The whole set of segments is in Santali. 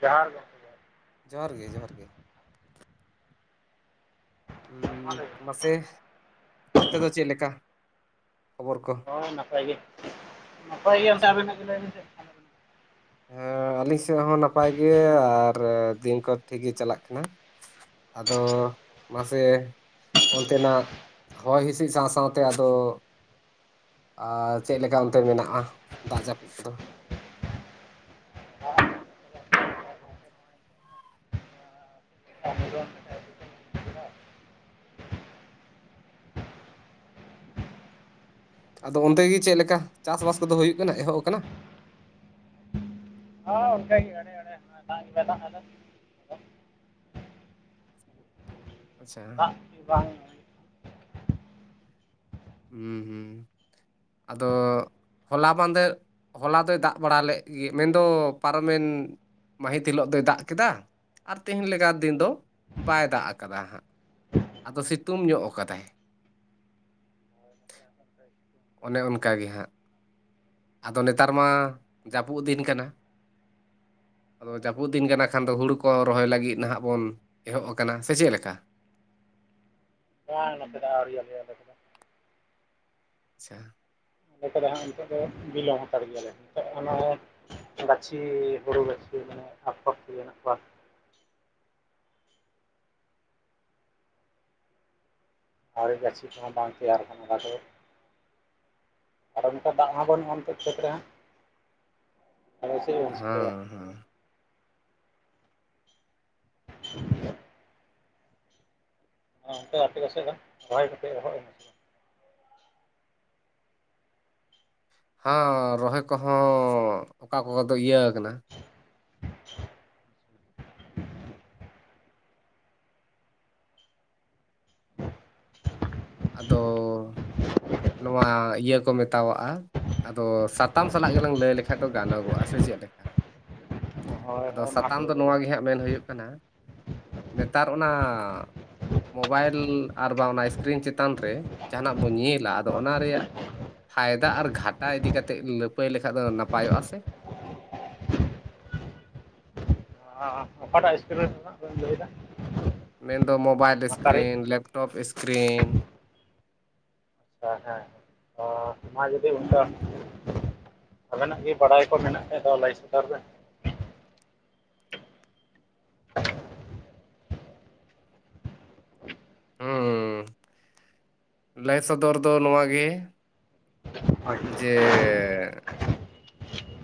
ᱡᱚᱦᱟᱨ ᱜᱮ᱾ ᱡᱚᱦᱟᱨ ᱜᱮ ᱡᱚᱦᱟᱨ ᱜᱮ᱾ ᱢᱟ ᱞᱟᱹᱭ ᱵᱤᱱ ᱢᱟᱥᱮ, ᱚᱱᱛᱮ ᱫᱚ ᱪᱮᱫ ᱞᱮᱠᱟ? ᱠᱷᱚᱵᱚᱨ ᱠᱚ? ᱦᱳᱭ ᱱᱟᱯᱟᱭ ᱜᱮ, ᱱᱟᱯᱟᱭ ᱜᱮ ᱚᱱᱛᱮ ᱦᱮᱸ ᱟᱵᱮᱱᱟᱜ ᱜᱮ ᱞᱟᱹᱭᱵᱤᱱ ᱥᱮ? ᱟᱹᱞᱤᱧ ᱥᱮᱫ ᱦᱚᱸ ᱱᱟᱯᱟᱭ ᱜᱮ ᱟᱨ ᱫᱤᱱ ᱠᱚ ᱴᱷᱤᱠ ᱜᱮ ᱪᱟᱞᱟᱜ ᱠᱟᱱᱟ᱾ ᱟᱫᱚ, ᱢᱟᱥᱮ ᱚᱱᱛᱮᱱᱟᱜ ᱦᱚᱭ ᱦᱸᱤᱥᱤᱫ ᱥᱟᱶ ᱥᱟᱶᱛᱮ ᱟᱫᱚ ᱟᱨ ᱪᱮᱫ ᱞᱮᱠᱟ ᱚᱱᱛᱮ ᱢᱮᱱᱟᱜᱼᱟ ᱫᱟᱜ ᱡᱟᱹᱯᱩᱫ ᱠᱚᱫᱚ? ᱟᱸᱡᱚᱢ ᱫᱟ ᱟᱫᱚ ᱚᱱᱛᱮ ᱜᱮ ᱪᱮᱫ ᱞᱮᱠᱟ ᱪᱟᱥᱵᱟᱥ ᱠᱚᱫᱚ ᱦᱩᱭᱩᱜ ᱠᱟᱱᱟ, ᱮᱦᱚᱵ ᱟᱠᱟᱱᱟ? ᱦᱚᱸ ᱚᱱᱠᱟᱜᱮ ᱟᱲᱮ ᱟᱲᱮ ᱫᱟᱜ ᱜᱮ ᱵᱟᱭ ᱫᱟᱜ ᱮᱫᱟ ᱜᱮ ᱟᱪᱪᱷᱟ᱾ ᱵᱟᱝ ᱦᱩᱸᱻ ᱦᱩᱸᱻ᱾ ᱟᱫᱚ ᱦᱚᱞᱟ ᱢᱟᱸᱫᱷᱮᱨ ᱦᱚᱞᱟ ᱫᱚᱭ ᱫᱟᱜ ᱵᱟᱲᱟ ᱞᱮᱫ ᱜᱮ ᱢᱮᱱᱫᱚ ᱯᱟᱨᱚᱢᱮᱱ ᱢᱟᱹᱦᱤᱛ ᱦᱤᱞᱳᱜ ᱫᱚᱭ ᱫᱟᱜ ᱠᱮᱫᱟ᱾ ᱟᱨ ᱛᱤᱦᱮᱧ ᱞᱮᱠᱟ ᱫᱤᱱ ᱫᱚ ᱵᱟᱭ ᱫᱟᱜ ᱠᱟᱫᱟ, ᱦᱟᱸᱜ ᱟᱫᱚ ᱥᱤᱛᱩᱝ ᱧᱚᱢᱜ ᱠᱟᱫᱟᱭᱼ- ᱟᱪᱪ [inaudible] ᱚᱱᱮ ᱚᱱᱠᱟ ᱜᱮ ᱦᱟᱸᱜ ᱟᱫᱚ ᱱᱮᱛᱟᱨ ᱢᱟ ᱡᱟᱹᱯᱩᱜ ᱫᱤᱱ ᱠᱟᱱᱟ᱾ ᱟᱫᱚ ᱡᱟᱹᱯᱩᱫ ᱫᱤᱱ ᱠᱟᱱᱟ ᱠᱷᱟᱱ ᱫᱚ ᱦᱩᱲᱩ ᱠᱚ ᱨᱚᱦᱚᱭ ᱞᱟᱹᱜᱤᱜ ᱱᱟᱦᱟᱜ ᱵᱚᱱ ᱮᱦᱚᱵ ᱟᱠᱟᱱᱟ ᱥᱮ ᱪᱮᱫ ᱞᱮᱠᱟ? ᱵᱟᱝ ᱱᱚᱛᱮ ᱫᱚ ᱟᱹᱣᱨᱤ ᱟᱞᱮ ᱟᱞᱮ ᱫᱚ ᱟᱪᱪᱷᱟ᱾ ᱫᱚ ᱦᱟᱸᱜ ᱱᱤᱛᱚᱜ ᱫᱚ ᱵᱤᱞᱚᱢ ᱦᱟᱛᱟᱲ ᱜᱮᱭᱟᱞᱮ ᱱᱤᱛᱚᱜ ᱚᱱᱟ ᱜᱟᱹᱪᱷᱤ ᱦᱩᱲᱩ ᱜᱟᱹᱪᱷᱤ ᱢᱟᱱᱮ ᱟᱠᱷᱚᱨ ᱢᱮᱱᱟᱜ ᱠᱚᱣᱟ ᱟᱨᱮ ᱜᱟᱹᱪᱷᱤ ᱠᱚᱦᱚᱸ ᱵᱟᱝ ᱛᱮᱭᱟᱨ ᱠᱟᱱᱟ ᱚᱱᱟ ᱫᱚ ᱟᱨ ᱚᱱᱠᱟ ᱫᱟᱜ ᱦᱚᱸ ᱵᱟᱱᱩᱜ ᱱᱤᱛ ᱠᱷᱮᱛ ᱨᱮ ᱦᱟᱸᱜ ᱟᱫᱚ ᱪᱮᱫ ᱵᱚᱱ ᱦᱮᱸ ᱪᱤᱠᱟᱹᱭᱟ? ᱦᱮᱸ ᱥᱩ [unintelligible] ᱚᱱᱛᱮ ᱟᱯᱮ ᱯᱟᱥᱮ ᱜᱟᱱ ᱨᱚᱦᱚᱭ ᱠᱟᱛᱮ ᱨᱚᱦᱚᱜ ᱮᱱᱟ? ᱦᱟᱸᱸ ᱨᱚᱦᱚᱭ ᱠᱚᱦᱚᱸ ᱚᱠᱟ ᱠᱚᱫᱚ ᱤᱭᱟᱹ ᱠᱟᱱᱟ ᱟᱫᱚᱻᱻ ᱦᱸ [unintelligible] ᱱᱚᱣᱟ ᱤᱭᱟᱹ ᱠᱚ ᱢᱮᱛᱟᱣᱟᱜᱼᱟ᱾ ᱟᱫᱚ ᱥᱟᱛᱟᱢ ᱥᱟᱞᱟᱜ ᱜᱮᱞᱟᱝ ᱞᱟᱹᱭ ᱞᱮᱠᱷᱟᱡ ᱫᱚ ᱜᱟᱱᱚᱜᱚᱜᱼᱟ ᱥᱮ ᱪᱮᱫ ᱞᱮᱠᱟ? ᱵᱟᱝ? ᱦᱳᱭ ᱟᱫᱚ ᱦᱳᱭ ᱢᱟ ᱥᱟᱛᱟᱢ ᱛᱚᱵᱮ ᱫᱚ ᱞᱟᱹᱭ ᱱᱚᱣᱟ ᱵᱮᱱ ᱜᱮ ᱦᱟᱸᱜ ᱢᱮᱱ ᱦᱩᱭᱩᱜ ᱠᱟᱱᱟ ᱱᱮᱛᱟᱨ ᱚᱱᱟ ᱢᱳᱵᱟᱭᱤᱞ ᱟᱨ ᱵᱟᱝ ᱚᱱᱟ ᱤᱥᱠᱨᱤᱱ ᱪᱮᱛᱟᱱ ᱨᱮ ᱡᱟᱦᱱᱟᱜ ᱵᱚᱱ ᱧᱮᱞᱟ ᱚᱱᱟ ᱨᱮᱭᱟᱜ ᱯᱷᱟᱭᱫᱟ ᱟᱨ ᱜᱷᱟᱴ ᱴᱟ ᱤᱫᱤ ᱠᱟᱛ ᱞᱟᱹᱯᱟᱹᱭ ᱞᱮᱠᱷᱟᱡ ᱫᱚ ᱱᱟᱯᱟᱭᱚᱜᱼᱟ ᱥᱮ? ᱦᱮ ᱦᱮ ᱚᱠᱟᱴᱟᱜ ᱤᱥᱠᱨᱤᱱ ᱨᱮᱱᱟᱜ ᱵᱮᱱ ᱞᱟᱹᱭ ᱮᱫᱟ? ᱢᱮᱱᱫᱚ ᱢᱳᱵᱟᱭᱤᱞ ᱤᱥᱠᱨᱤᱱ ᱞᱮᱯᱴᱚᱯ ᱤᱥᱠᱨᱤᱱ ᱦᱮᱸ ᱦᱮ ᱢᱟ ᱡᱩᱫᱤ ᱚᱱᱠᱟ ᱟᱵᱮᱱᱟᱜ ᱜᱮ ᱵᱟᱰᱟᱭ ᱠᱚ ᱢᱮᱱᱟᱜ ᱠᱷᱟᱡ ᱫᱚ ᱞᱟᱹᱭ ᱥᱚᱫᱚᱨ ᱵᱮᱱ? ᱦᱩᱸᱻᱻ ᱞᱟᱹᱭ ᱥᱚᱫᱚᱨ ᱫᱚ ᱱᱚᱣᱟ ᱜᱮ ᱦᱳᱭ ᱡᱮᱻᱻ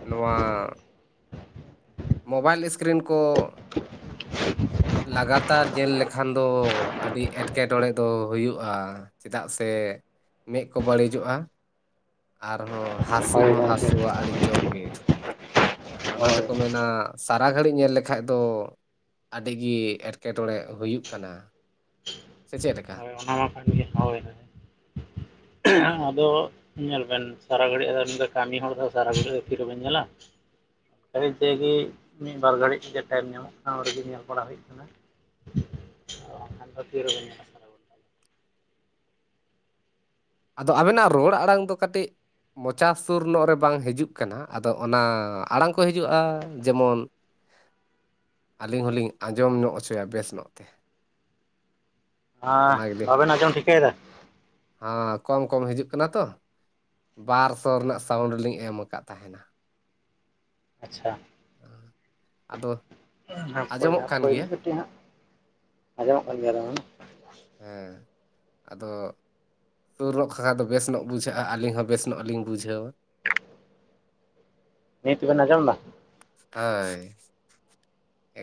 ᱱᱚᱣᱟ᱾ ᱢᱳᱵᱟᱭᱤᱞ ᱥᱠᱨᱤᱱ ᱠᱚ ᱞᱟᱜᱟᱛᱟᱨ ᱧᱮᱞ ᱞᱮᱠᱷᱟᱱ ᱫᱚ ᱟᱹᱰᱤ ᱮᱴᱠᱮᱴᱚᱬᱮ ᱫᱚ ᱦᱳᱭᱳᱜᱼᱟ᱾ ᱪᱮᱫᱟᱜ ᱥᱮ ᱢᱮᱫ ᱠᱚ ᱵᱟᱹᱲᱤᱡᱚᱜᱼᱟ? ᱟᱨᱦᱚᱸ ᱦᱟᱹᱥᱩ ᱦᱳᱭ ᱦᱚᱸ ᱜᱚᱢᱠᱮ ᱦᱟᱹᱥᱩᱣᱟ ᱟᱹᱰᱤ ᱡᱳᱨ ᱜᱮ᱾ ᱚᱱᱟ ᱦᱳᱭ ᱛᱮᱠᱚ ᱢᱮᱱᱟ ᱥᱟᱨᱟ ᱜᱷᱟᱹᱲᱤᱡ ᱧᱮᱞ ᱞᱮᱠᱷᱟᱡ ᱫᱚ ᱟᱹᱰᱤ ᱜᱮ ᱮᱴᱠᱮ ᱴᱚᱬᱮ ᱦᱩᱭᱩᱜ ᱠᱟᱱᱟ ᱥᱮ ᱪᱮᱫ ᱞᱮᱠᱟ ᱦᱳᱭ ᱚᱱᱟ ᱢᱟ ᱠᱟᱱ ᱜᱮᱭᱟ ᱦᱳᱭ ᱦᱳᱭ᱾ ᱦᱳᱭ, [inaudible] ᱟᱫᱚ ᱧᱮᱞ ᱵᱮᱱ ᱥᱟᱨᱟ ᱜᱷᱟᱹᱲᱤᱡ ᱟᱫᱚ ᱠᱟᱹᱢᱤ ᱦᱚᱲ ᱫᱚ ᱥᱟᱨᱟ ᱜᱷᱟᱹᱲᱤᱡ ᱫᱚ ᱛᱤ ᱨᱮᱵᱮᱱ ᱧᱮᱞᱟ [unintelligible] ᱢᱤᱫ ᱵᱟᱨ ᱜᱷᱟᱹᱲᱤᱡ ᱛᱮᱜᱮ ᱴᱟᱭᱤᱢ ᱧᱟᱢᱚᱜ ᱠᱟᱱᱟ ᱚᱸᱰᱮ ᱜᱮ ᱧᱮᱞ ᱵᱟᱲᱟ ᱦᱩᱭᱩᱜ ᱠᱟᱱᱟ ᱟᱨ ᱵᱟᱝᱠᱷᱟᱱ ᱫᱚ ᱛᱤ ᱨᱮᱵᱮᱱ ᱧᱮᱞᱟ ᱥᱟᱨᱟ ᱜᱷᱚᱱᱴᱟ ᱜᱮ᱾ ᱟᱫᱚ ᱟᱵᱮᱱᱟᱜ ᱨᱚᱲ ᱟᱲᱟᱝ ᱫᱚ ᱠᱟᱹᱴᱤᱜ ᱢᱚᱪᱟ ᱥᱩᱨ ᱱᱚᱜ ᱨᱮ ᱵᱟᱝ ᱦᱤᱡᱩᱜ ᱠᱟᱱᱟ ᱟᱫᱚ ᱚᱱᱟ ᱟᱲᱟᱝ ᱠᱚ ᱦᱤᱡᱩᱜᱼᱟ ᱡᱮᱢᱚᱱ ᱟᱹᱞᱤᱧ ᱦᱚᱞᱤᱧ ᱟᱸᱡᱚᱢ ᱱᱚᱜ ᱦᱚᱪᱚᱭᱟ ᱵᱮᱥ ᱱᱚᱜ ᱛᱮ ᱟᱻ ᱵᱟᱵᱮᱱ ᱟᱸᱡᱚᱢ ᱴᱷᱤᱠᱟᱹᱭ ᱫᱟ ᱦᱚᱸ ᱠᱚᱢ ᱠᱚᱢ ᱦᱤᱡᱩᱜ ᱠᱟᱱᱟ ᱛᱚ ᱵᱟᱨ ᱥᱚ ᱨᱮᱱᱟᱜ ᱥᱟᱣᱩᱱᱰ ᱞᱤᱧ ᱮᱢ ᱟᱠᱟᱜ ᱛᱟᱦᱮᱱᱟ ᱟᱪᱪᱷᱟ ᱟᱫᱚ ᱦᱟᱯᱮ ᱟᱸᱡᱚᱢᱚᱜ ᱠᱟᱱ ᱦᱟᱯᱮ ᱜᱮᱭᱟ ᱠᱟᱹᱴᱤᱡ ᱦᱟᱸᱜ ᱟᱸᱡᱚᱢᱚᱜ ᱠᱟᱱ ᱜᱮᱭᱟ [unintelligible] ᱦᱮᱸ ᱟᱫᱚ [unintelligible] ᱵᱮᱥ ᱱᱚᱜ ᱵᱩᱡᱷᱟᱹᱜᱼᱟ ᱟᱹᱞᱤᱧ ᱦᱚᱸ ᱵᱮᱥ ᱱᱚᱜ ᱞᱤᱧ ᱵᱩᱡᱷᱟᱹᱣᱼᱟ [inaudible] ᱱᱤᱛ ᱵᱮᱱ ᱟᱸᱡᱚᱢ ᱫᱟ ᱦᱳᱭ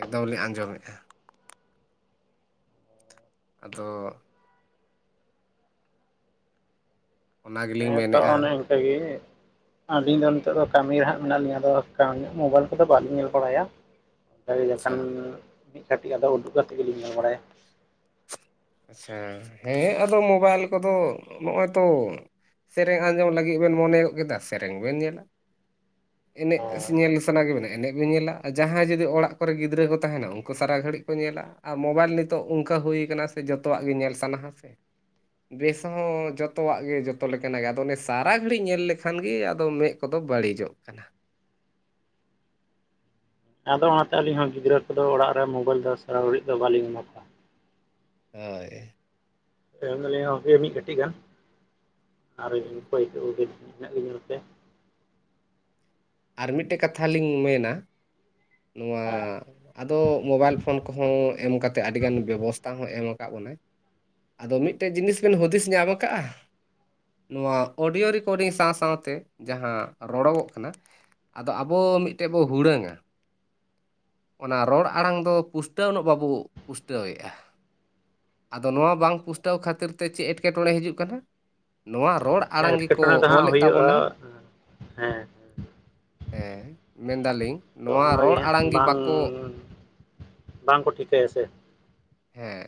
ᱮᱠᱫᱚᱢ ᱞᱤᱧ ᱟᱸᱡᱚᱢ ᱮᱜᱼᱟ ᱟᱫᱚᱻ ᱚᱱᱟ ᱜᱮᱞᱤᱧ ᱦᱮᱸ ᱛᱚ ᱢᱮᱱᱮᱫᱼᱟ ᱚᱱᱮ ᱤᱱᱠᱟᱹ ᱜᱮ ᱟᱹᱞᱤᱧ ᱫᱚ ᱱᱤᱛᱚᱜ ᱫᱚ ᱠᱟᱹᱢᱤ ᱨᱮ ᱦᱟᱸᱜ ᱢᱮᱱᱟᱜ ᱞᱤᱧᱟ ᱟᱫᱚ ᱢᱳᱵᱟᱭᱤᱞ ᱠᱚᱫᱚ ᱵᱟᱹᱞᱤᱧ ᱧᱮᱞ ᱵᱟᱲᱟᱭᱟ ᱧᱮᱞ ᱞᱮᱱᱠᱷᱟᱱ ᱟᱪᱪᱷᱟ ᱢᱤᱜ ᱠᱟᱹᱴᱤᱡᱴᱜ ᱟᱫᱚ ᱩᱰᱩᱠ ᱠᱟᱛᱮ ᱜᱮᱞᱤᱧ ᱧᱮᱞ ᱵᱟᱲᱟᱭᱟ ᱟᱪᱪᱷᱟ ᱦᱮᱸ ᱟᱫᱚ ᱢᱳᱵᱟᱭᱤᱞ ᱠᱚᱫᱚ ᱱᱚᱜᱼᱚᱭ ᱛᱚ ᱥᱮᱨᱮᱧ ᱟᱸᱡᱚᱢ ᱞᱟᱹᱜᱤᱫ ᱵᱮᱱ ᱢᱚᱱᱮ ᱜᱚᱜ ᱠᱮᱫᱟ ᱥᱮᱨᱮᱧ ᱵᱮᱱ ᱧᱮᱞᱟ ᱮᱱᱮᱡ ᱦᱳᱭ ᱧᱮᱞ ᱥᱟᱱᱟ ᱠᱮᱫ ᱵᱮᱱᱟ ᱮᱱᱮᱡ ᱵᱮᱱ ᱧᱮᱞᱟ ᱟᱨ ᱡᱟᱦᱟᱸᱭ ᱡᱩᱫᱤ ᱚᱲᱟᱜ ᱠᱚᱨᱮ ᱜᱤᱫᱽᱨᱟᱹ ᱦᱚᱸ ᱛᱟᱦᱮᱱᱟ ᱩᱱᱠᱩ ᱥᱟᱨᱟ ᱜᱷᱟᱹᱲᱤᱡ ᱠᱚ ᱧᱮᱞᱟ ᱟᱨ ᱢᱳᱵᱟᱭᱤᱞ ᱱᱤᱛᱚᱜ ᱚᱱᱠᱟ ᱦᱩᱭ ᱠᱟᱱᱟ ᱡᱚᱛᱚᱣᱟᱜ ᱜᱮ ᱧᱮᱞ ᱥᱟᱱᱟ ᱦᱟ ᱥᱮ ᱵᱮᱥ ᱦᱚᱸ ᱡᱚᱛᱚᱣᱟᱜ ᱜᱮ ᱡᱚᱛᱚ ᱞᱮᱠᱟᱱᱟᱜ ᱜᱮ ᱟᱫᱚ ᱚᱱᱮ ᱥᱟᱨᱟ ᱜᱷᱟᱹᱲᱤᱡ ᱧᱮᱞ ᱞᱮᱠᱷᱟᱱ ᱜᱮ ᱟᱫᱚ ᱢᱮᱸᱜ ᱠᱚᱫᱚ ᱵᱟᱹᱲᱤᱡᱚᱜ ᱠᱟᱱᱟ ᱟᱫᱚ ᱚᱱᱟᱛᱮ ᱟᱹᱞᱤᱧ ᱦᱚᱸ ᱜᱤᱫᱽᱨᱟᱹ ᱠᱚᱫᱚ ᱚᱲᱟᱜ ᱨᱮ ᱢᱳᱵᱟᱭᱤᱞ ᱫᱚ ᱥᱟᱨᱟ ᱜᱷᱟᱹᱲᱤᱡ ᱫᱚ ᱵᱟᱹᱞᱤᱧ ᱮᱢᱟ ᱠᱚᱣᱟ ᱦᱳᱭ ᱮᱢ ᱫᱟᱞᱤᱧ ᱢᱤᱫᱴᱜ ᱠᱟᱹᱴᱤᱡ ᱜᱟᱱ [unintelligible] ᱟᱨ ᱢᱤᱫᱴᱮᱱ ᱠᱟᱛᱷᱟ ᱞᱤᱧ ᱢᱮᱱᱟ ᱱᱚᱣᱟ ᱦᱳᱭ ᱟᱫᱚ ᱢᱳᱵᱟᱭᱤᱞ ᱯᱷᱳᱱ ᱠᱚᱦᱚᱸ ᱮᱢ ᱠᱟᱛᱮᱜ ᱟᱹᱰᱤ ᱜᱟᱱ ᱵᱮᱵᱚᱥᱛᱟ ᱦᱚᱸ ᱮᱢ ᱟᱠᱟᱜ ᱵᱚᱱᱟᱭ ᱟᱫᱚ ᱢᱤᱜᱴᱮᱡ ᱡᱤᱱᱤᱥ ᱵᱮᱱ ᱦᱩᱫᱤᱥ ᱧᱟᱢ ᱟᱠᱟᱜᱼᱟ ᱱᱚᱣᱟ ᱚᱰᱤᱭᱳ ᱨᱮᱠᱚᱨᱰᱤᱝ ᱥᱟᱶ ᱥᱟᱶᱛᱮ ᱡᱟᱦᱟᱸ ᱨᱚᱲᱚᱜᱚᱜ ᱠᱟᱱᱟ ᱟᱫᱚ ᱟᱵᱚ ᱢᱤᱫᱴᱮᱱ ᱵᱚ ᱦᱩᱲᱟᱹᱝᱼᱟ ᱚᱱᱟ ᱨᱚᱲ ᱟᱲᱟᱝ ᱫᱚ ᱯᱩᱥᱴᱟᱹᱣ ᱱᱚᱜ ᱵᱟᱵᱚ ᱯᱩᱥᱴᱟᱹᱣᱮᱜᱼᱟ ᱟᱫᱚ ᱱᱚᱣᱟ ᱵᱟᱝ ᱯᱩᱥᱴᱟᱹᱣ ᱠᱷᱟᱹᱛᱤᱨ ᱛᱮ ᱪᱮᱜ ᱮᱴᱠᱮ ᱴᱚᱬᱮ ᱦᱤᱡᱩᱜ ᱠᱟᱱᱟ ᱱᱚᱣᱟ ᱨᱚᱲ ᱦᱮᱸ ᱟᱲᱟᱝ ᱮᱴᱠᱮ ᱜᱮᱠᱚ ᱴᱚᱬᱮ ᱫᱚ ᱦᱟᱸᱜ ᱚᱞᱮᱫ ᱦᱩᱭᱩᱜᱼᱟ ᱛᱟᱵᱚᱱᱟ ᱦᱮᱸ ᱦᱮᱸ ᱢᱮᱱ ᱫᱟᱞᱤᱧ ᱛᱚ ᱚᱱᱟᱜᱮ ᱦᱟᱸᱜ ᱵᱟᱝ ᱵᱟᱝᱠᱚ ᱴᱷᱤᱠᱟᱹᱭᱟ ᱥᱮ ᱦᱮᱸ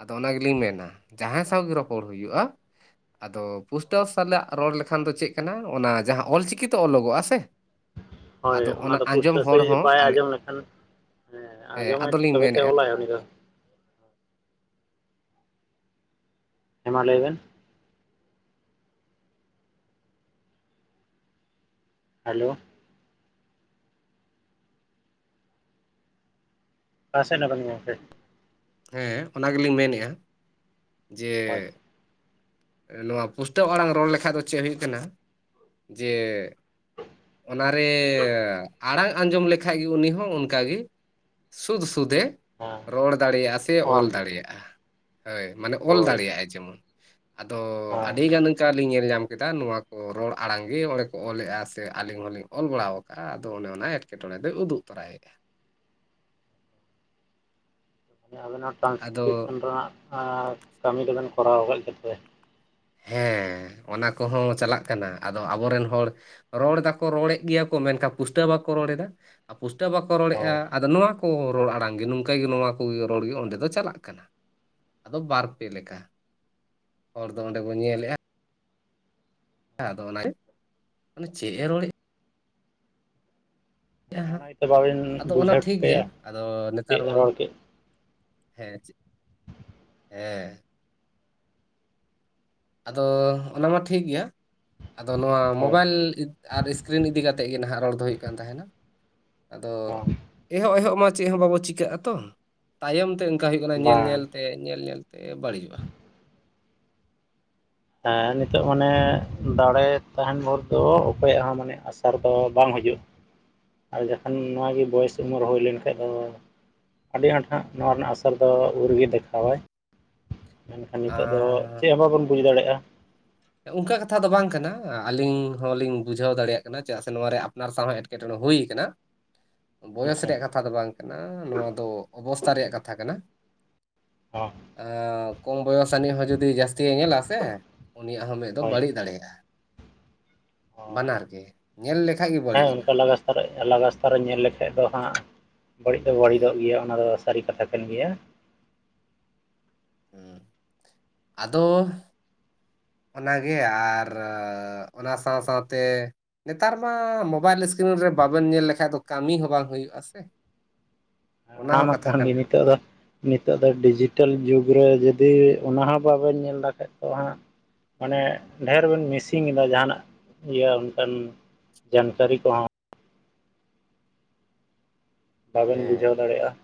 ᱟᱫᱚ ᱚᱱᱟ ᱜᱮᱞᱤᱧ ᱢᱮᱱᱟ ᱡᱟᱦᱟᱸ ᱥᱟᱶ ᱜᱮ ᱨᱚᱯᱚᱲ ᱦᱩᱭᱩᱜᱼᱟ ᱟᱫᱚ ᱯᱩᱥᱴᱟᱹᱣ ᱥᱟᱞᱟᱜ ᱨᱚᱲ ᱞᱮᱠᱷᱟᱱ ᱫᱚ ᱪᱮᱜ ᱠᱟᱱᱟ ᱚᱱᱟ ᱡᱟᱦᱟᱸ ᱚᱞᱪᱤᱠᱤᱛᱮ ᱚᱞᱚᱜᱚᱜᱼᱟ ᱥᱮ ᱦᱳᱭ ᱟᱫᱚ ᱚᱱᱟ ᱫᱚ ᱟᱸᱡᱚᱢ ᱯᱩᱥᱴᱟᱹᱣ ᱦᱚᱲ ᱥᱟᱺᱦᱤᱡ ᱦᱚᱸ ᱵᱟᱭ ᱟᱨ ᱟᱸᱡᱚᱢ ᱞᱮᱠᱷᱟᱱ ᱦᱮᱸ ᱟᱸᱡᱚᱢᱟᱭ ᱟᱫᱚᱞᱤᱧ ᱛᱚᱵᱮᱛᱚᱭ ᱢᱮᱱᱮᱫᱼᱟ ᱚᱞᱟᱭ ᱩᱱᱤ ᱫᱚ ᱦᱮᱸ ᱢᱟ ᱞᱟᱹᱭ ᱵᱮᱱ ᱦᱮᱞᱳ ᱚᱠᱟ ᱥᱮᱫ ᱱᱟᱵᱮᱱ ᱜᱚᱝᱠᱮ ᱦᱮᱸ ᱚᱱᱟ ᱜᱮᱞᱤᱧ ᱢᱮᱱᱮᱜᱼᱟ ᱡᱮ ᱦᱳᱭ ᱱᱚᱣᱟ ᱯᱩᱥᱴᱟᱹᱣ ᱟᱲᱟᱝ ᱨᱚᱲ ᱞᱮᱠᱷᱟᱡ ᱫᱚ ᱪᱮ ᱦᱩᱭᱩᱜ ᱠᱟᱱᱟ ᱡᱮ ᱚᱱᱟ ᱨᱮ ᱟᱲᱟᱝ ᱟᱸᱡᱚᱢ ᱞᱮᱠᱷᱟᱡ ᱜᱮ ᱩᱱᱤ ᱦᱚᱸ ᱚᱱᱠᱟ ᱜᱮ ᱥᱩᱫ ᱥᱩᱫᱮ ᱦᱮᱸ ᱨᱚᱲ ᱫᱟᱲᱮᱭᱟᱜᱼᱟ ᱥᱮ ᱚᱞ ᱫᱟᱲᱮᱭᱟᱜᱼᱟ ᱦᱟᱹᱭ ᱢᱟᱱᱮ ᱚᱞ ᱦᱳᱭ ᱫᱟᱲᱮᱭᱟᱜᱼᱟᱭ ᱡᱮᱢᱚᱱ᱾ ᱟᱫᱚ ᱟᱹᱰᱤ ᱦᱮᱸ ᱜᱟᱱ ᱠᱟ ᱞᱤᱧ ᱧᱮᱞ ᱧᱟᱢ ᱠᱮᱫᱟ ᱱᱚᱣᱟ ᱠᱚ ᱨᱚᱲ ᱟᱲᱟᱝ ᱜᱮ ᱚᱸᱰᱮ ᱠᱚ ᱚᱞᱮᱜᱼᱟ ᱥᱮ ᱟᱹᱞᱤᱧ ᱦᱚᱸᱞᱤᱧ ᱚᱞ ᱵᱟᱲᱟᱣ ᱟᱫᱚ ᱚᱱᱮ ᱚᱱᱟ ᱮᱴᱠᱮᱴᱚᱬᱮ ᱫᱚᱭ ᱩᱫᱩᱜ ᱛᱚᱨᱟᱭᱮᱜᱼᱟ᱾ ᱟᱵᱮᱱ ᱦᱚ ᱟᱫᱚ ᱴᱟᱱᱥᱠᱨᱤᱯᱥᱚᱱ ᱨᱮᱱᱟᱜ ᱟ ᱠᱟᱹᱢᱤ ᱫᱚᱵᱮᱱ ᱠᱚᱨᱟᱣ ᱠᱟᱜ ᱜᱮ ᱛᱚᱵᱮ᱾ ᱦᱮᱸ, ᱚᱱᱟ ᱠᱚᱦᱚᱸ ᱪᱟᱞᱟᱜ ᱠᱟᱱᱟ ᱟᱫᱚ ᱟᱵᱚᱨᱮᱱ ᱦᱚᱲ ᱨᱚᱲ ᱫᱟᱠᱚ ᱨᱚᱲᱮᱫ ᱜᱮᱭᱟ ᱠᱚ ᱢᱮᱱᱠᱷᱟᱱ ᱯᱩᱥᱴᱟᱹᱣ ᱵᱟᱠᱚ ᱨᱚᱲ ᱮᱫᱟ ᱟᱨ ᱯᱩᱥᱴᱟᱹᱣ ᱵᱟᱠᱚ ᱛᱚᱵᱮ ᱨᱚᱲᱮᱫᱼᱟ ᱦᱳᱭ ᱟᱫᱚ ᱱᱚᱣᱟ ᱠᱚ ᱨᱚᱲ ᱟᱲᱟᱝ ᱜᱮ ᱱᱚᱝᱠᱟ ᱜᱮ ᱱᱚᱣᱟ ᱠᱚᱜᱮ ᱨᱚᱲ ᱜᱮ ᱚᱸᱰᱮ ᱫᱚ ᱪᱟᱞᱟᱜ ᱠᱟᱱᱟ, ᱟᱫᱚ ᱵᱟᱨ ᱯᱮ ᱞᱮᱠᱟ ᱟᱫᱚ ᱚᱸᱰᱮ ᱠᱚ ᱧᱮᱞᱮᱜᱼᱟ᱾ ᱦᱮᱸ ᱟᱫᱚ ᱚᱱᱟ ᱪᱮᱫ ᱮ ᱨᱚᱲᱮᱜ ᱮᱭᱟ ᱦᱮᱸ ᱚᱱᱟ ᱦᱟᱸᱜ ᱜᱮᱛᱚ ᱵᱟᱵᱮᱱ ᱟᱫᱚ ᱚᱱᱟ ᱵᱩᱡᱷᱟᱹᱣ ᱴᱷᱤᱠ ᱜᱮᱭᱟ ᱴᱷᱤᱠᱟᱹᱭᱟ ᱟᱫᱚ ᱱᱮᱛᱟᱨ ᱪᱮᱫ ᱢᱟ ᱨᱚᱲ ᱠᱮᱫ ᱦᱮᱸ, ᱪᱮ ᱮ ᱟᱫᱚ ᱚᱱᱟ ᱢᱟ ᱴᱷᱤᱠ ᱜᱮᱭᱟ ᱟᱫᱚ ᱱᱚᱣᱟ ᱦᱳᱭ ᱢᱳᱵᱟᱭᱤᱞ ᱟᱨ ᱤᱥᱠᱨᱤᱱ ᱤᱫᱤ ᱠᱟᱛᱮᱜ ᱜᱮ ᱱᱟᱦᱟᱜ ᱨᱚᱲ ᱫᱚ ᱦᱩᱭᱩᱜ ᱠᱟᱱ ᱛᱟᱦᱮᱱᱟ, ᱟᱫᱚ ᱦᱮᱸ ᱮᱦᱚᱜ ᱮᱦᱚᱜ ᱢᱟ ᱪᱮᱜ ᱦᱚᱸ ᱵᱟᱵᱚ ᱪᱤᱠᱟᱹᱜᱼᱟ ᱛᱚ ᱛᱟᱭᱚᱢ ᱛᱮ ᱚᱱᱠᱟ ᱦᱩᱭᱩᱜ ᱠᱟᱱᱟ ᱧᱮᱞ ᱵᱟᱝ ᱧᱮᱞ ᱛᱮ ᱧᱮᱞ ᱧᱮᱞ ᱛᱮ ᱵᱟᱹᱲᱤᱡᱚᱜᱼᱟ᱾ ᱦᱮᱸ ᱱᱤᱛᱚᱜ ᱢᱟᱱᱮ ᱫᱟᱲᱮ ᱛᱟᱦᱮᱱ ᱵᱷᱳᱨ ᱫᱚ ᱚᱠᱚᱭᱟᱜ ᱦᱚᱸ ᱢᱟᱱᱮ ᱟᱥ ᱛᱟᱨ ᱫᱚ ᱵᱟᱝ ᱦᱤᱡᱩᱜ ᱟᱨ ᱡᱚᱠᱷᱚᱱ ᱱᱚᱣᱟ ᱜᱮ ᱵᱚᱭᱮᱥ ᱩᱢᱮᱨ ᱦᱩᱭ ᱞᱮᱱᱠᱷᱟᱡ ᱫᱚ ᱟᱹᱰᱤ ᱟᱸᱴ ᱦᱟᱸᱜ ᱱᱚᱣᱟ ᱨᱮᱱᱟᱜ ᱟᱥᱚᱨ ᱫᱚ ᱩᱱ ᱨᱮᱜᱮ ᱫᱮᱠᱷᱟᱣᱟᱭ᱾ ᱢᱮᱱᱠᱷᱟᱱ ᱱᱤᱛᱳᱜ ᱫᱚ ᱟᱨ ᱪᱮᱜ ᱦᱚᱸ ᱵᱟᱵᱚᱱ ᱵᱩᱡ ᱫᱟᱲᱮᱜᱼᱟ᱾ ᱚᱱᱠᱟ ᱠᱟᱛᱷᱟ ᱫᱚ ᱵᱟᱝ ᱠᱟᱱᱟ ᱟᱹᱞᱤᱧ ᱦᱚᱸᱞᱤᱧ ᱵᱩᱡᱷᱟᱹᱣ ᱫᱟᱲᱮᱭᱟᱜ ᱠᱟᱱᱟ ᱪᱮᱫᱟᱜ ᱥᱮ ᱱᱚᱣᱟ ᱨᱮ ᱟᱯᱱᱟᱨ ᱥᱟᱶᱦᱮᱫ ᱮᱴᱠᱮᱴᱚᱬᱮ ᱦᱩᱭ ᱠᱟᱱᱟ᱾ ᱵᱚᱭᱚᱥ ᱟᱪᱪᱷᱟ ᱨᱮᱭᱟᱜ ᱠᱟᱛᱷᱟ ᱫᱚ ᱵᱟᱝ ᱠᱟᱱᱟ, ᱱᱚᱣᱟ ᱫᱚ ᱚᱵᱚᱥᱛᱷᱟ ᱨᱮᱭᱟᱜ ᱠᱟᱛᱷᱟ ᱠᱟᱱᱟ᱾ ᱦᱚᱸ ᱟᱻ ᱠᱚᱢ ᱵᱚᱭᱚᱥ ᱟᱹᱱᱤᱡ ᱦᱚᱸ ᱡᱩᱫᱤ ᱡᱟᱹᱥᱛᱤ ᱧᱮᱞᱟ ᱥᱮ᱾ ᱩᱱᱤᱭᱟᱜ ᱦᱚᱸ ᱢᱮᱫ ᱫᱚ ᱦᱳᱭ ᱵᱟᱹᱲᱤᱡ ᱫᱟᱲᱮᱭᱟᱜᱼᱟ᱾ ᱦᱚᱸ ᱵᱟᱱᱟᱨ ᱜᱮ ᱧᱮᱞ ᱞᱮᱠᱷᱟᱡ ᱜᱮ ᱵᱟᱹᱲᱤᱡ ᱮᱱᱟ᱾ ᱟᱨᱮ ᱟᱞᱟᱜᱽ ᱨᱟᱥᱛᱟ ᱨᱮ ᱧᱮᱞ ᱞᱮᱠᱷᱟᱡ ᱫᱚ ᱦᱟᱸᱜ ᱵᱟᱹᱲᱤᱡ ᱫᱚ ᱵᱟᱹᱲᱤᱡᱚᱜ ᱜᱮᱭᱟ ᱚᱱᱟ ᱨᱚᱥ᱾ ᱥᱟᱹᱨᱤ ᱠᱟᱛᱷᱟ ᱠᱟᱱ ᱜᱮᱭᱟ᱾ ᱦᱩᱸ, ᱟᱫᱚ ᱚᱱᱟ ᱜᱮ ᱟᱨ ᱚᱱᱟ ᱥᱟᱶ ᱥᱟᱶ ᱛᱮ ᱱᱮᱛᱟᱨ ᱢᱟ ᱢᱳᱵᱟᱭᱤᱞ ᱤᱥᱠᱨᱤᱱ ᱨᱮ ᱵᱟᱵᱮᱱ ᱧᱮᱞ ᱞᱮᱠᱷᱟᱡ ᱫᱚ ᱠᱟᱹᱢᱤ ᱦᱚᱸ ᱵᱟᱝ ᱦᱩᱭᱩᱜᱼᱟ ᱥᱮ᱾ [inaudible] ᱟ ᱚᱱᱟ ᱢᱟ ᱠᱟᱛᱷᱟ ᱠᱟᱱ ᱜᱮ ᱠᱟᱱᱟ ᱱᱤᱛᱚᱜ ᱫᱚ ᱱᱤᱛᱚᱜ ᱫᱚ ᱰᱤᱡᱤᱴᱮᱞ ᱡᱩᱜᱽ ᱨᱮ ᱡᱩᱫᱤ ᱚᱱᱟ ᱦᱚᱸ ᱵᱟᱵᱮᱱ ᱧᱮᱞ ᱫᱟᱠᱷᱟᱡ ᱫᱚ ᱦᱟᱸᱜ ᱢᱟᱱᱮ ᱰᱷᱮᱨ ᱵᱮᱱ ᱢᱤᱥᱤᱝ ᱮᱫᱟ ᱡᱟᱦᱟᱱᱟᱜ ᱤᱭᱟᱹ ᱚᱱᱠᱟᱱ ᱡᱟᱱᱠᱟᱹᱨᱤ ᱠᱚ᱾ ᱵᱟᱵᱮᱱ ᱵᱩᱡᱷᱟᱹᱣ ᱫᱟᱲᱮᱭᱟᱜᱼᱟ᱾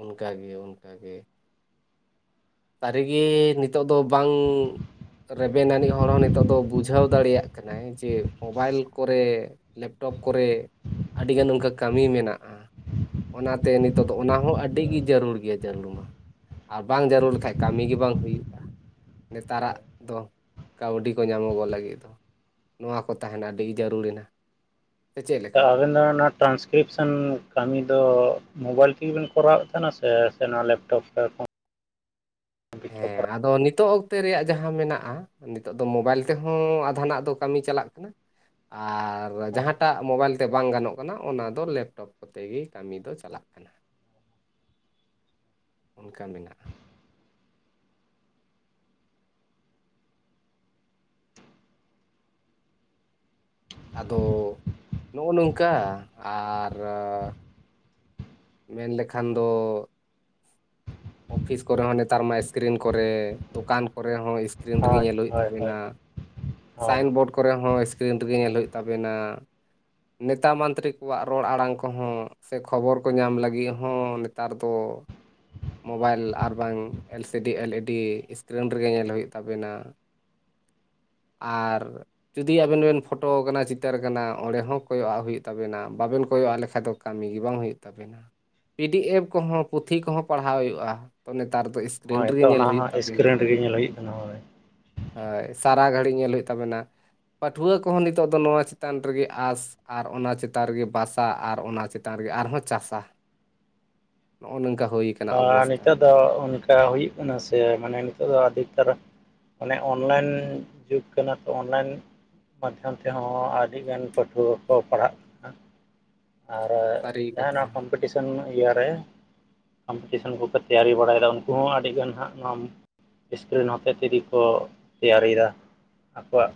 ᱚᱱᱠᱟ ᱜᱮ ᱚᱱᱠᱟ ᱜᱮ᱾ ᱥᱟᱹᱨᱤ ᱜᱮ ᱱᱤᱛᱚᱜ ᱫᱚ ᱵᱟᱝ ᱨᱮᱵᱮᱱ ᱟᱹᱱᱤᱡ ᱦᱚᱲ ᱦᱚᱸ ᱱᱤᱛᱚᱜ ᱫᱚ ᱵᱩᱡᱷᱟᱹᱣ ᱫᱟᱲᱮᱭᱟᱜ ᱠᱟᱱᱟᱭ ᱡᱮ ᱢᱳᱵᱟᱭᱤᱞ ᱠᱚᱨᱮ ᱞᱮᱯᱴᱚᱯ ᱠᱚᱨᱮ ᱟᱹᱰᱤᱜᱟᱱ ᱚᱱᱠᱟ ᱠᱟᱹᱢᱤ ᱢᱮᱱᱟᱜᱼᱟ᱾ ᱚᱱᱟ ᱛᱮ ᱱᱤᱛᱚᱜ ᱫᱚ ᱚᱱᱟ ᱦᱚᱸ ᱟᱹᱰᱤ ᱜᱮ ᱡᱟᱹᱨᱩᱲ ᱜᱮᱭᱟ ᱡᱟᱹᱨᱩᱲ ᱢᱟ ᱟᱨ ᱵᱟᱝ ᱡᱟᱹᱨᱩᱲ ᱠᱷᱟᱡ ᱠᱟᱹᱢᱤ ᱜᱮ ᱵᱟᱝ ᱦᱩᱭᱩᱜᱼᱟ ᱱᱮᱛᱟᱨᱟᱜ ᱦᱳᱭ ᱫᱚ ᱠᱟᱹᱣᱰᱤ ᱠᱚ ᱧᱟᱢᱚᱜᱚᱜ ᱞᱟᱹᱜᱤᱫ ᱫᱚ᱾ ᱱᱚᱣᱟ ᱠᱚ ᱛᱟᱦᱮᱱᱟ ᱟᱹᱰᱤ ᱡᱟᱹᱨᱩᱲ ᱮᱱᱟ᱾ ᱛᱚ ᱟᱵᱤᱱ ᱫᱚ ᱱᱟᱛ ᱴᱨᱟᱱᱥᱠᱨᱤᱯᱥᱮᱱ ᱠᱟᱹᱢᱤ ᱫᱚ ᱢᱳᱵᱟᱭᱤᱞ ᱛᱮᱜᱮ ᱵᱮᱱ ᱠᱚᱨᱟᱣᱮᱫ ᱠᱟᱱᱟ ᱥᱮ ᱥᱮ ᱱᱚᱣᱟ ᱞᱮᱯᱴᱚᱯ ᱛᱮ? ᱦᱮᱸ ᱟᱫᱚ ᱱᱤᱛᱚᱜ ᱚᱠᱛᱮ ᱨᱮᱭᱟᱜ ᱡᱟᱦᱟᱸ ᱢᱮᱱᱟᱜ-ᱟ ᱱᱤᱛᱚᱜ ᱫᱚ ᱢᱳᱵᱟᱭᱤᱞ ᱛᱮᱦᱚᱸ ᱟᱫᱷᱟᱱᱟᱜ ᱫᱚ ᱠᱟᱹᱢᱤ ᱪᱟᱞᱟᱜ ᱠᱟᱱᱟ ᱟᱨ ᱡᱟᱦᱟᱸᱴᱟᱜ ᱢᱳᱵᱟᱭᱤᱞ ᱛᱮ ᱵᱟᱝ ᱜᱟᱱᱚᱜ ᱠᱟᱱᱟ ᱚᱱᱟ ᱫᱚ ᱞᱮᱯᱴᱚᱯ ᱠᱚᱛᱮ ᱜᱮ ᱠᱟᱹᱢᱤ ᱫᱚ ᱪᱟᱞᱟᱜ ᱠᱟᱱᱟ ᱚᱱᱠᱟ ᱢᱮᱱᱟᱜ-ᱟ ᱟᱫᱚ ᱱᱚᱜ-ᱚ ᱱᱚᱝᱠᱟ ᱟᱨ ᱢᱮᱱ ᱞᱮᱠᱷᱟᱱ ᱫᱚ ᱚᱯᱷᱤᱥ ᱠᱚᱨᱮ ᱦᱚᱸ ᱱᱮᱛᱟᱨ ᱢᱟ ᱥᱠᱨᱤᱱ ᱠᱚᱨᱮ, ᱫᱚᱠᱟᱱ ᱠᱚᱨᱮ ᱦᱚᱸ ᱠᱚᱨᱮ ᱠᱥᱨᱤᱱ ᱨᱮᱜᱮ ᱦᱳᱭ ᱧᱮᱞ ᱦᱳᱭᱳᱜ ᱛᱟ ᱦᱳᱭ ᱦᱳᱭ ᱵᱮᱱᱟ᱾ ᱦᱳᱭ ᱥᱟᱭᱮᱱ ᱵᱳᱨᱰ ᱠᱚᱨᱮ ᱦᱚᱸ ᱥᱠᱨᱤᱱ ᱨᱮᱜᱮ ᱧᱮᱞ ᱦᱳᱭᱳᱜ ᱛᱟ ᱵᱮᱱᱟ᱾ ᱱᱮᱛᱟ ᱢᱟᱱᱛᱨᱤ ᱠᱚᱣᱟᱜ ᱨᱚᱲ ᱟᱲᱟᱝ ᱠᱚᱦᱚᱸ ᱥᱮ ᱠᱷᱚᱵᱚᱨ ᱠᱚ ᱧᱟᱢ ᱞᱟᱹᱜᱤᱫ ᱦᱚᱸ ᱱᱮᱛᱟᱨ ᱫᱚ ᱢᱳᱵᱟᱭᱤᱞ ᱟᱨᱵᱟᱝ L C D L E D screen ᱨᱮᱜᱮ ᱧᱮᱞ ᱦᱩᱭᱩᱜ ᱛᱟ ᱵᱮᱱᱟ᱾ ᱟᱨ ᱡᱩᱫᱤ ᱟᱵᱮᱱ ᱵᱮᱱ ᱯᱷᱳᱴᱳ ᱟᱠᱟᱱᱟ ᱪᱤᱛᱟᱹᱨ ᱠᱟᱱᱟ ᱚᱸᱰᱮ ᱦᱚᱸ ᱠᱚᱭᱚᱜᱼᱟᱜ ᱦᱳᱭᱳᱜ ᱛᱟᱵᱮᱱᱟ ᱵᱟᱵᱮᱱ ᱠᱚᱭᱚᱜ ᱟᱜ ᱞᱮᱠᱷᱟᱡ ᱫᱚ ᱠᱟᱹᱢᱤ ᱜᱮ ᱵᱟᱝ ᱦᱳᱭᱳᱜ ᱛᱟᱵᱮᱱᱟ᱾ ᱯᱤ ᱰᱤ ᱮᱯᱷ ᱠᱚᱦᱚᱸ ᱯᱩᱛᱷᱤ ᱠᱚᱦᱚᱸ ᱯᱟᱲᱦᱟᱣ ᱦᱳᱭᱳᱜᱼᱟ ᱱᱮᱛᱟᱨ ᱫᱚ ᱤᱥ ᱦᱳᱭ ᱛᱚ ᱚᱱᱟ ᱦᱚᱸ ᱮᱥᱠᱨᱤᱱ ᱨᱮᱜᱮ ᱧᱮᱞ ᱦᱩᱭᱩᱜ ᱠᱟᱱᱟ ᱦᱳᱭ ᱦᱳᱭ ᱥᱟᱨᱟ ᱜᱷᱟᱹᱲᱤ ᱧᱮᱞ ᱦᱳᱭᱳᱜ ᱛᱟ ᱵᱤᱱᱟ᱾ ᱯᱟᱹᱴᱷᱩᱣᱟᱹ ᱠᱚᱦᱚᱸ ᱱᱤᱛᱚᱜ ᱫᱚ ᱱᱚᱣᱟ ᱪᱮᱛᱟᱱ ᱨᱮ ᱜᱮ ᱟᱸᱥ ᱟᱨ ᱚᱱᱟ ᱪᱮᱛᱟᱱ ᱨᱮᱜᱮ ᱵᱟᱥᱟ ᱟᱨ ᱚᱱᱟ ᱪᱮᱛ [unintelligible] ᱨᱮᱜᱮ ᱟᱨ ᱦᱚᱸ ᱪᱟᱥᱟ, ᱱᱚᱜᱼᱚᱭ ᱱᱚᱝᱠᱟ ᱦᱳᱭ ᱟᱨ ᱱᱤᱛᱚᱜ ᱫᱚ ᱚᱱᱠᱟ ᱦᱩᱭᱩᱜ ᱠᱟᱱᱟ ᱥᱮ ᱢᱟᱱᱮ ᱱᱤᱛᱚᱜ ᱫᱚ ᱟᱹᱰᱤ ᱩᱛᱟᱹᱨ ᱚᱱᱮ ᱚᱱᱞᱟᱭᱤᱱ ᱡᱩᱜᱽ ᱠᱟᱱᱟ ᱛᱚ ᱚᱱᱞᱟᱭᱤᱱ ᱢᱟᱫᱽᱫᱷᱚᱢ ᱛᱮᱦᱚᱸ ᱟᱹᱰᱤ ᱜᱟᱱ ᱯᱟᱹᱴᱷᱩᱣᱟᱹ ᱠᱚ ᱯᱟᱲᱦᱟᱜ ᱠᱟᱱᱟ ᱟᱨ ᱥᱟᱹᱨᱤ ᱡᱟᱸᱦᱟ ᱠᱟᱛᱷᱟ ᱱᱚᱣᱟ ᱠᱚᱢᱯᱤᱴᱤᱥᱚᱱ ᱤᱭᱟᱹ ᱨᱮ ᱠᱚᱢᱯᱤᱴᱤᱥᱮᱱ ᱠᱚ ᱠᱚ ᱛᱮᱭᱟᱨᱤ ᱵᱟᱲᱟᱭᱫᱟ ᱩᱱᱠᱩ ᱦᱚᱸ ᱟᱹᱰᱤ ᱜᱟᱱ ᱦᱟᱸᱜ ᱱᱚ ᱥᱠᱨᱤᱱ ᱦᱚᱛᱮ ᱛᱮᱜᱮ ᱠᱚ ᱛᱮᱭᱟᱨᱤ ᱮᱫᱟ, ᱟᱠᱚᱣᱟᱜ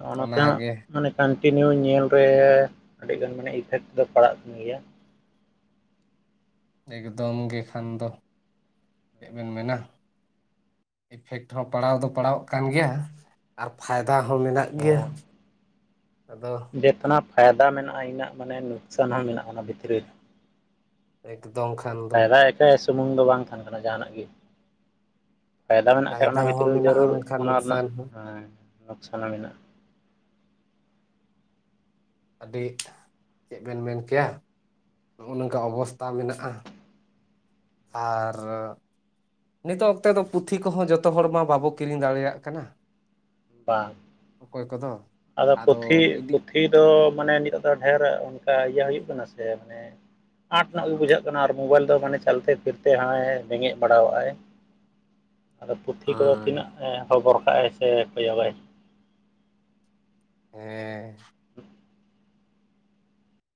ᱦᱚᱜᱼᱱᱚᱛᱮ ᱚᱱᱟᱜᱮ ᱢᱟᱱᱮ ᱠᱟᱱᱴᱤᱱᱤᱭᱩ ᱧᱮᱞ ᱨᱮ ᱟᱹᱰᱤ ᱜᱟᱱ ᱢᱟᱱᱮ ᱤᱯᱷᱮᱠᱴ ᱫᱚ ᱯᱟᱲᱟᱜ ᱠᱟᱱ ᱜᱮᱭᱟ᱾ ᱮᱠᱫᱚᱢ ᱜᱮ ᱠᱷᱟᱱ ᱫᱚ ᱪᱮᱫ ᱵᱮᱱ ᱢᱮᱱᱟ᱾ ᱤᱯᱷᱮᱠᱴ ᱦᱚᱸ ᱯᱟᱲᱟᱣ ᱫᱚ ᱯᱟᱲᱟᱣ ᱚᱜ ᱠᱟᱱ ᱜᱮᱭᱟ᱾ ᱟᱨ ᱯᱷᱟᱭᱫᱟ ᱦᱚᱸ ᱢᱮᱱᱟᱜ ᱜᱮᱭᱟ, ᱟᱫᱚ᱾ ᱡᱮ ᱠᱳᱱᱳ ᱯᱷᱟᱭᱫᱟ ᱢᱮᱱᱟᱜᱼᱟ ᱤᱱᱟᱹᱜ ᱢᱟᱱᱮ ᱞᱳᱠᱥᱟᱱ ᱦᱚᱸ ᱢᱮᱱᱟᱜᱼᱟ ᱚᱱᱟ ᱵᱷᱤᱛᱨᱤ ᱨᱮ᱾ ᱮᱠᱫᱚᱢ ᱠᱷᱟᱱ ᱫᱚ᱾ [unintelligible] ᱥᱩᱢᱩᱝ ᱫᱚ ᱵᱟᱝ ᱛᱟᱦᱮᱱ ᱠᱟᱱᱟ ᱡᱟᱦᱟᱱᱟᱜ ᱜᱮ᱾ ᱯᱷᱟᱭᱫᱟ ᱢᱮᱱᱟᱜ ᱠᱷᱟᱡ ᱚᱱᱟ ᱵᱷᱤᱛᱨᱤ ᱦᱚᱸ ᱨᱮ ᱢᱮᱱᱟᱜᱼᱟ ᱡᱟᱹᱨᱩᱲ ᱢᱮᱱᱠᱷᱟᱱ ᱚᱱᱟ ᱨᱮᱱᱟᱜ ᱱᱩᱠᱥᱟᱱ ᱦᱚᱸ ᱦᱮᱸ ᱞᱳᱠᱥᱟᱱ ᱦᱚᱸ ᱢᱮᱱᱟᱜᱼᱟ᱾ ᱟᱹᱰᱤ ᱪᱮᱫ ᱵᱮᱱ ᱢᱮᱱ ᱠᱮᱭᱟ ᱱᱚᱜᱼᱚ ᱱᱚᱝᱠᱟ ᱚᱵᱚᱥᱛᱟ ᱢᱮᱱᱟᱜᱼᱟ᱾ ᱟᱨᱻ ᱱᱤᱛᱚᱜ ᱚᱠᱛᱮ ᱫᱚ ᱯᱩᱛᱷᱤ ᱠᱚᱦᱚᱸ ᱡᱚᱛᱚ ᱦᱚᱲ ᱢᱟ ᱵᱟᱵᱚ ᱠᱤᱨᱤᱧ ᱫᱟᱲᱮ ᱭᱟᱜ ᱠᱟᱱᱟ᱾ ᱵᱟᱝ ᱚᱠᱚᱭ ᱠᱚᱫᱚ᱾ ᱟᱫᱚ ᱯᱩᱛᱷᱤ ᱯᱩᱛᱷᱤ ᱫᱚ ᱢᱟᱱᱮ ᱱᱤᱛᱚᱜ ᱫᱚ ᱰᱷᱮᱨ ᱚᱱᱠᱟ ᱤᱭᱟᱹ ᱦᱳᱭᱳᱜ ᱠᱟᱱᱟ ᱥᱮ ᱟᱸᱴ ᱧᱚᱸᱜ ᱜᱮ ᱵᱩᱡᱷᱟᱹᱜ ᱠᱟᱱᱟ ᱟᱨ ᱢᱳᱵᱟᱭᱤᱞ ᱫᱚ ᱢᱟᱱᱮ ᱪᱟᱞ ᱛᱮ ᱯᱷᱤᱨ ᱛᱮ ᱦᱚᱸᱭ ᱵᱮᱸᱜᱮᱫ ᱵᱟᱲᱟᱣᱟᱜᱼᱟᱭ᱾ [inaudible] ᱟᱫᱚ ᱯᱩᱛᱷᱤ ᱠᱚᱫᱚ ᱦᱳᱭ ᱛᱤᱱᱟᱹᱜ ᱮ ᱦᱚᱵᱚᱨ ᱠᱟᱜᱼᱟᱭ ᱥᱮ ᱠᱚᱭᱚᱜ ᱟᱭ᱾ ᱦᱮᱸ